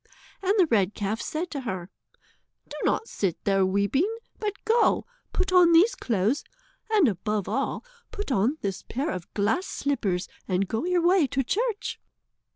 And the red calf said to her: "Do not sit there weeping, but go, put on these clothes, and above all, put on this pair of glass slippers, and go your way to church."